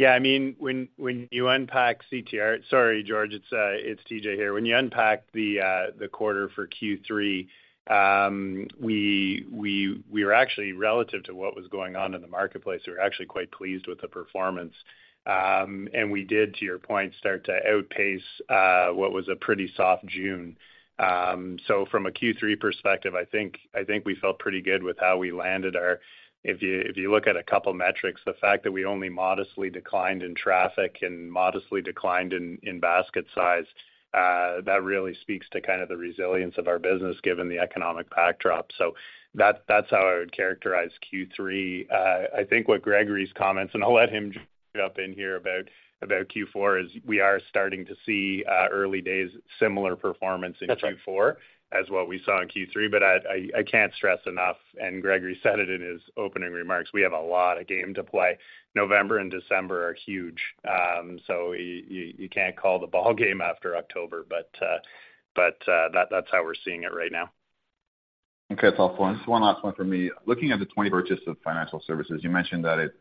[SPEAKER 6] Yeah, I mean, when you unpack CTR—Sorry, George, it's TJ here. When you unpack the quarter for Q3, we are actually relative to what was going on in the marketplace, we're actually quite pleased with the performance. And we did, to your point, start to outpace what was a pretty soft June. So from a Q3 perspective, I think we felt pretty good with how we landed our... If you look at a couple of metrics, the fact that we only modestly declined in traffic and modestly declined in basket size, that really speaks to kind of the resilience of our business, given the economic backdrop. So that's how I would characterize Q3. I think what Gregory's comments, and I'll let him jump in here about Q4, is we are starting to see early days, similar performance in Q4-
[SPEAKER 4] That's right.
[SPEAKER 3] as what we saw in Q3. But I can't stress enough, and Gregory said it in his opening remarks, we have a lot of game to play. November and December are huge, so you can't call the ballgame after October. But, that, that's how we're seeing it right now.
[SPEAKER 8] Okay, that's helpful. And just one last one for me. Looking at the 20 purchase of financial services, you mentioned that it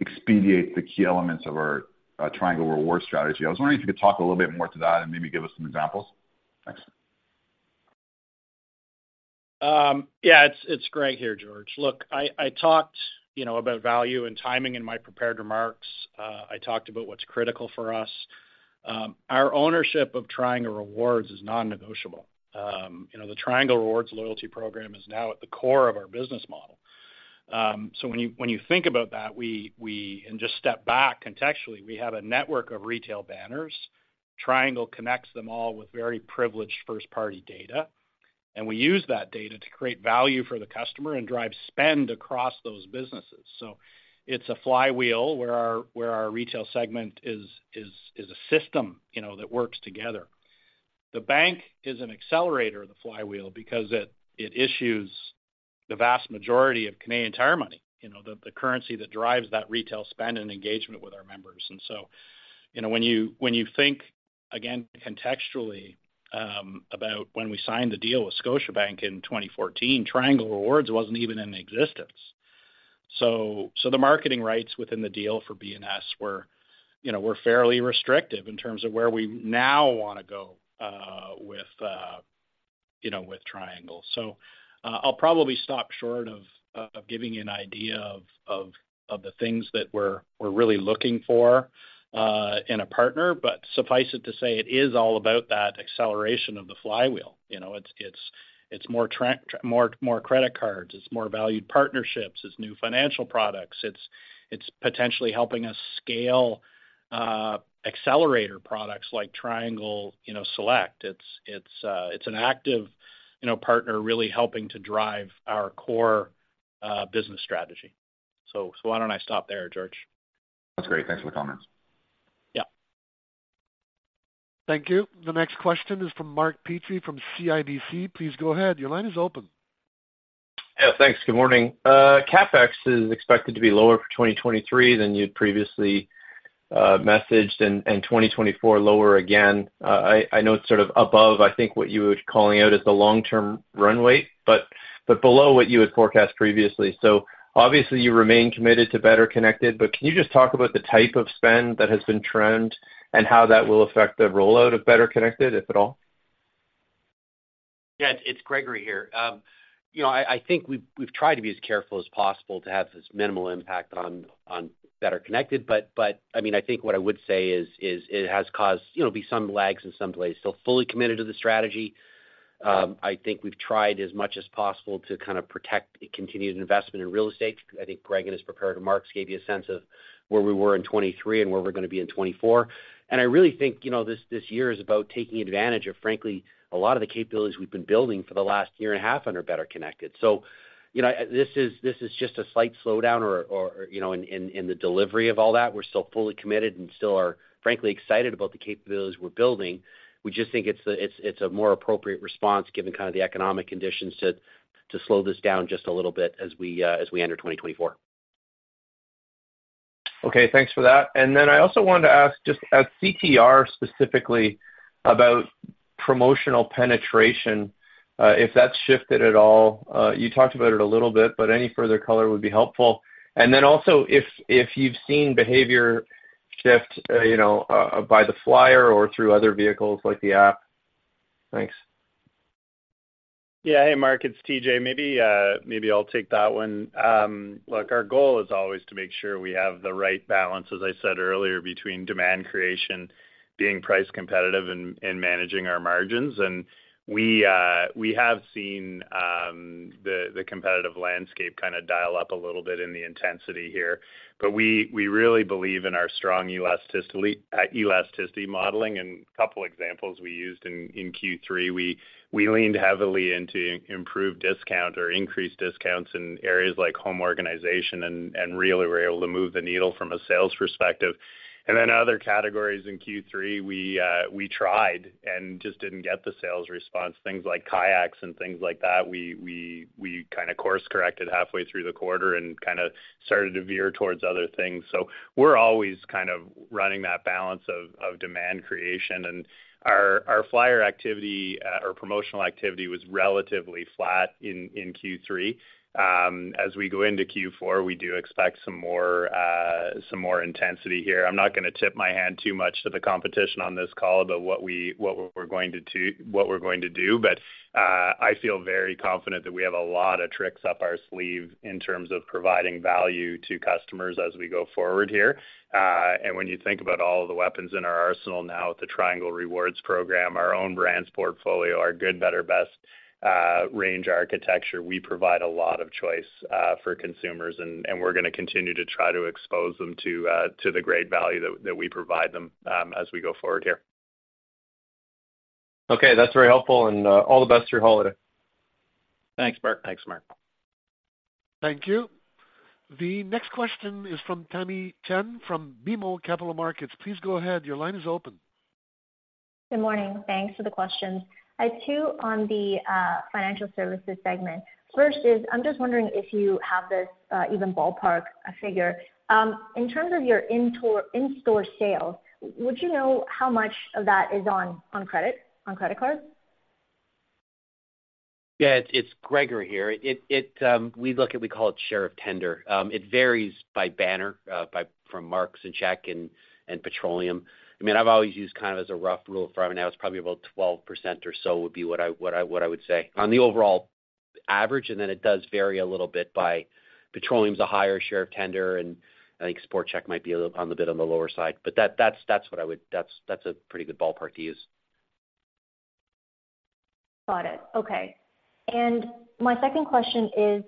[SPEAKER 8] expediates the key elements of our Triangle Rewards strategy. I was wondering if you could talk a little bit more to that and maybe give us some examples. Thanks.
[SPEAKER 3] Yeah, it's Greg here, George. Look, I talked, you know, about value and timing in my prepared remarks. I talked about what's critical for us. Our ownership of Triangle Rewards is non-negotiable. You know, the Triangle Rewards loyalty program is now at the core of our business model. So when you think about that, we and just step back contextually, we have a network of retail banners. Triangle connects them all with very privileged first-party data, and we use that data to create value for the customer and drive spend across those businesses. So it's a flywheel where our retail segment is a system, you know, that works together. The bank is an accelerator of the flywheel because it issues the vast majority of Canadian Tire Money, you know, the currency that drives that retail spend and engagement with our members. And so, you know, when you think, again, contextually, about when we signed the deal with Scotiabank in 2014, Triangle Rewards wasn't even in existence. So the marketing rights within the deal for BNS were, you know, fairly restrictive in terms of where we now want to go, with, you know, with Triangle. So I'll probably stop short of giving you an idea of the things that we're really looking for in a partner, but suffice it to say, it is all about that acceleration of the flywheel. You know, it's, it's-...
[SPEAKER 4] It's more—more credit cards, it's more valued partnerships, it's new financial products. It's, it's potentially helping us scale, accelerator products like Triangle, you know, Select. It's, it's, it's an active, you know, partner really helping to drive our core, business strategy. So, so why don't I stop there, George?
[SPEAKER 8] That's great. Thanks for the comments.
[SPEAKER 4] Yeah.
[SPEAKER 1] Thank you. The next question is from Mark Petrie from CIBC. Please go ahead. Your line is open.
[SPEAKER 9] Yeah, thanks. Good morning. CapEx is expected to be lower for 2023 than you'd previously messaged, and 2024, lower again. I know it's sort of above, I think, what you were calling out as the long-term runway, but below what you had forecast previously. So obviously, you remain committed to Better Connected, but can you just talk about the type of spend that has been trend, and how that will affect the rollout of Better Connected, if at all?
[SPEAKER 4] Yeah, it's Gregory here. You know, I think we've tried to be as careful as possible to have as minimal impact on Better Connected, but I mean, I think what I would say is it has caused, you know, be some lags in some places. Still fully committed to the strategy. I think we've tried as much as possible to kind of protect the continued investment in real estate. I think Greg, in his prepared remarks, gave you a sense of where we were in 2023 and where we're gonna be in 2024. And I really think, you know, this year is about taking advantage of, frankly, a lot of the capabilities we've been building for the last year and a half under Better Connected. So, you know, this is just a slight slowdown or, you know, in the delivery of all that. We're still fully committed and still are, frankly, excited about the capabilities we're building. We just think it's a more appropriate response, given kind of the economic conditions, to slow this down just a little bit as we enter 2024.
[SPEAKER 9] Okay, thanks for that. And then I also wanted to ask, just at CTR, specifically about promotional penetration, if that's shifted at all. You talked about it a little bit, but any further color would be helpful. And then also, if you've seen behavior shift, you know, by the flyer or through other vehicles like the app. Thanks.
[SPEAKER 6] Yeah. Hey, Mark, it's TJ. Maybe, maybe I'll take that one. Look, our goal is always to make sure we have the right balance, as I said earlier, between demand creation, being price competitive and managing our margins. And we have seen the competitive landscape kind of dial up a little bit in the intensity here. But we really believe in our strong elasticity modeling, and a couple of examples we used in Q3, we leaned heavily into improved discount or increased discounts in areas like home organization and really were able to move the needle from a sales perspective. And then other categories in Q3, we tried and just didn't get the sales response. Things like kayaks and things like that, we course-corrected halfway through the quarter and kinda started to veer towards other things. So we're always kind of running that balance of demand creation. And our flyer activity or promotional activity was relatively flat in Q3. As we go into Q4, we do expect some more intensity here. I'm not gonna tip my hand too much to the competition on this call, but what we're going to do. But I feel very confident that we have a lot of tricks up our sleeve in terms of providing value to customers as we go forward here. When you think about all of the weapons in our arsenal now with the Triangle Rewards program, our own brands portfolio, our good, better, best range architecture, we provide a lot of choice for consumers, and we're gonna continue to try to expose them to the great value that we provide them as we go forward here.
[SPEAKER 9] Okay, that's very helpful, and all the best to your holiday.
[SPEAKER 6] Thanks, Mark.
[SPEAKER 4] Thanks, Mark.
[SPEAKER 1] Thank you. The next question is from Tamy Chen, from BMO Capital Markets. Please go ahead. Your line is open.
[SPEAKER 10] Good morning. Thanks for the questions. I have two on the financial services segment. First is, I'm just wondering if you have this even ballpark figure. In terms of your in-store sales, would you know how much of that is on, on credit, on credit cards?
[SPEAKER 4] Yeah, it's Gregory here. We look at, we call it share of tender. It varies by banner, by, from Mark's and Sport Chek and, and petroleum. I mean, I've always used kind of as a rough rule of thumb, and now it's probably about 12% or so would be what I would say. On the overall average, and then it does vary a little bit by. Petroleum is a higher share of tender, and I think Sport Chek might be a little on the lower side, but that's what I would- that's a pretty good ballpark to use.
[SPEAKER 10] Got it. Okay. And my second question is,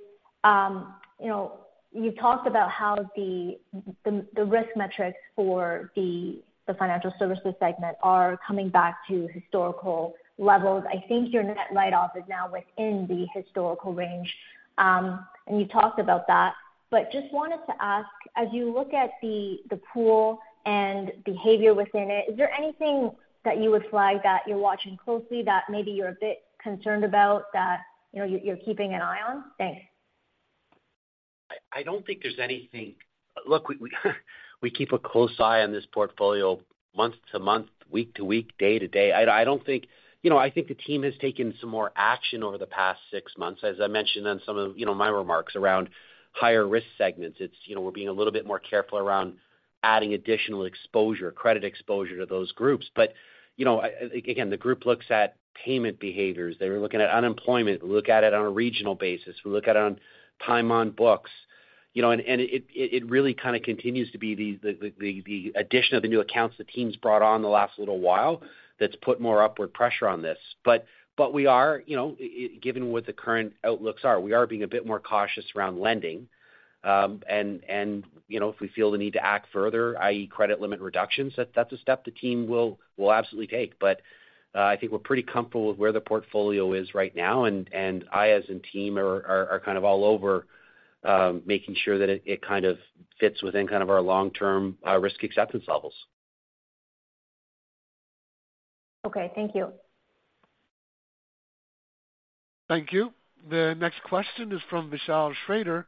[SPEAKER 10] you know, you talked about how the risk metrics for the financial services segment are coming back to historical levels. I think your net write-off is now within the historical range, and you talked about that. But just wanted to ask, as you look at the pool and behavior within it, is there anything that you would flag that you're watching closely that maybe you're a bit concerned about, that, you know, you're keeping an eye on? Thanks.
[SPEAKER 4] I don't think there's anything. Look, we keep a close eye on this portfolio month-to-month, week-to-week, day-to-day. I don't think—you know, I think the team has taken some more action over the past six months, as I mentioned on some of, you know, my remarks around higher risk segments. It's, you know, we're being a little bit more careful around adding additional exposure, credit exposure to those groups. But, you know, again, the group looks at payment behaviors. They were looking at unemployment. We look at it on a regional basis. We look at it on time, on books. You know, and it really kind of continues to be the addition of the new accounts the team's brought on in the last little while that's put more upward pressure on this. But we are, you know, given what the current outlooks are, we are being a bit more cautious around lending. And you know, if we feel the need to act further, i.e., credit limit reductions, that's a step the team will absolutely take. But I think we're pretty comfortable with where the portfolio is right now, and I, as in team, are kind of all over making sure that it kind of fits within kind of our long-term risk acceptance levels.
[SPEAKER 7] Okay. Thank you.
[SPEAKER 1] Thank you. The next question is from Vishal Shreedhar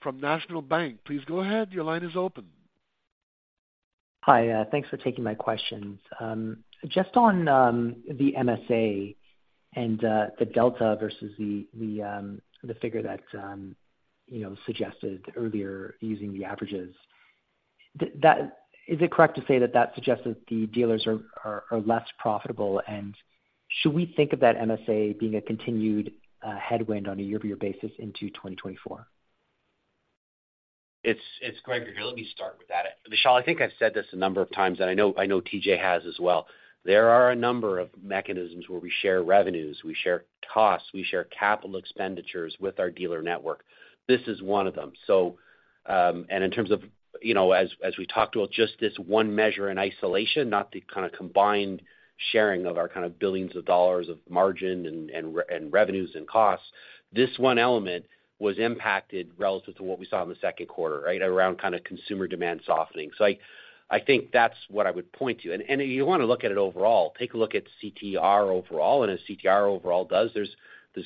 [SPEAKER 1] from National Bank. Please go ahead. Your line is open.
[SPEAKER 11] Hi, thanks for taking my questions. Just on the MSA and the delta versus the figure that you know suggested earlier using the averages. That is it correct to say that that suggests that the dealers are less profitable? And should we think of that MSA being a continued headwind on a year-over-year basis into 2024?
[SPEAKER 3] It's Greg here. Let me start with that. Vishal, I think I've said this a number of times, and I know, I know TJ has as well. There are a number of mechanisms where we share revenues, we share costs, we share capital expenditures with our dealer network. This is one of them. So, and in terms of, you know, as we talked about, just this one measure in isolation, not the kind of combined sharing of our kind of billions of dollars of margin and revenues and costs, this one element was impacted relative to what we saw in the second quarter, right? Around kind of consumer demand softening. I think that's what I would point to. If you want to look at it overall, take a look at CTR overall, and as CTR overall does, there's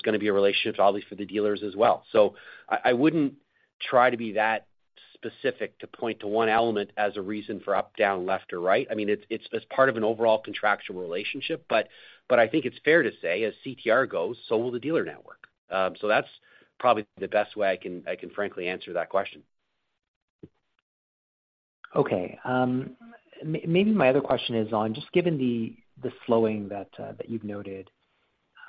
[SPEAKER 3] gonna be a relationship probably for the dealers as well. So I wouldn't try to be that specific to point to one element as a reason for up, down, left or right. I mean, it's as part of an overall contractual relationship, but I think it's fair to say, as CTR goes, so will the dealer network. So that's probably the best way I can frankly answer that question.
[SPEAKER 11] Okay. Maybe my other question is on, just given the slowing that you've noted,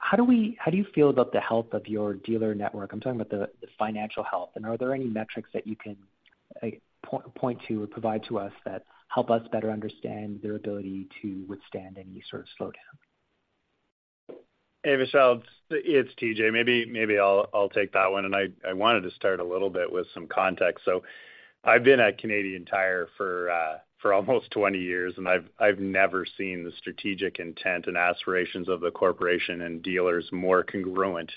[SPEAKER 11] how do you feel about the health of your dealer network? I'm talking about the financial health, and are there any metrics that you can, like, point to or provide to us that help us better understand their ability to withstand any sort of slowdown?
[SPEAKER 6] Hey, Vishal, it's TJ. Maybe I'll take that one, and I wanted to start a little bit with some context. So I've been at Canadian Tire for almost 20 years, and I've never seen the strategic intent and aspirations of the corporation and dealers more congruent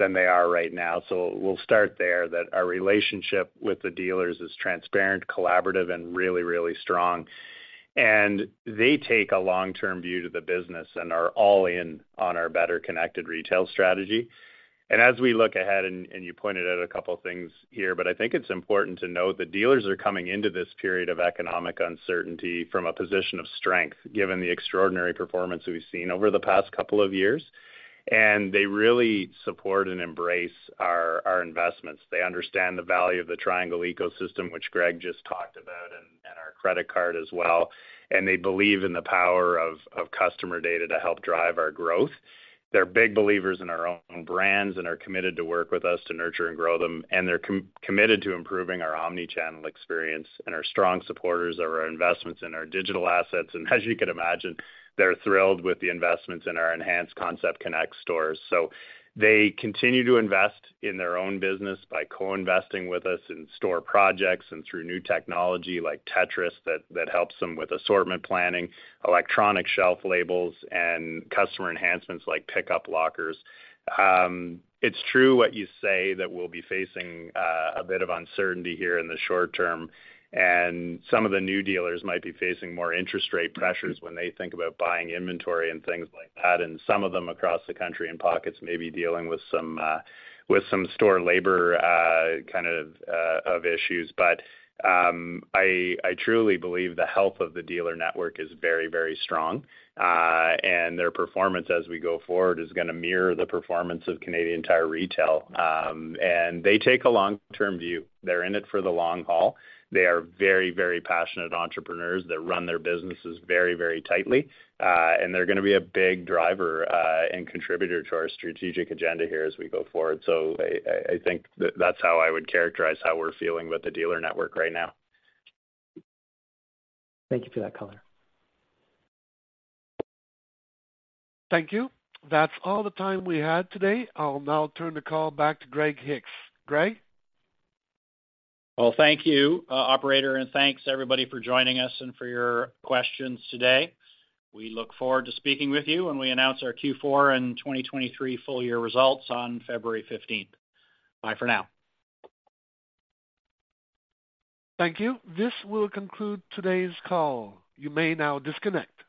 [SPEAKER 6] than they are right now. So we'll start there, that our relationship with the dealers is transparent, collaborative, and really, really strong. And they take a long-term view to the business and are all in on our Better Connected retail strategy. And as we look ahead, you pointed out a couple of things here, but I think it's important to note that dealers are coming into this period of economic uncertainty from a position of strength, given the extraordinary performance we've seen over the past couple of years. And they really support and embrace our investments. They understand the value of the Triangle ecosystem, which Greg just talked about, and our credit card as well. They believe in the power of customer data to help drive our growth. They're big believers in our own brands and are committed to work with us to nurture and grow them, and they're committed to improving our omni-channel experience and are strong supporters of our investments in our digital assets. As you can imagine, they're thrilled with the investments in our enhanced Concept Connect stores. They continue to invest in their own business by co-investing with us in store projects and through new technology like Tetris that helps them with assortment planning, electronic shelf labels, and customer enhancements like pickup lockers. It's true what you say, that we'll be facing a bit of uncertainty here in the short term, and some of the new dealers might be facing more interest rate pressures when they think about buying inventory and things like that. And some of them across the country in pockets may be dealing with some store labor kind of issues. But I truly believe the health of the dealer network is very, very strong, and their performance as we go forward is gonna mirror the performance of Canadian Tire Retail. And they take a long-term view. They're in it for the long haul. They are very, very passionate entrepreneurs that run their businesses very, very tightly, and they're gonna be a big driver and contributor to our strategic agenda here as we go forward. So I think that's how I would characterize how we're feeling with the dealer network right now.
[SPEAKER 11] Thank you for that color.
[SPEAKER 1] Thank you. That's all the time we had today. I'll now turn the call back to Greg Hicks. Greg?
[SPEAKER 4] Well, thank you, operator, and thanks, everybody, for joining us and for your questions today. We look forward to speaking with you when we announce our Q4 and 2023 full year results on February 15th. Bye for now.
[SPEAKER 1] Thank you. This will conclude today's call. You may now disconnect.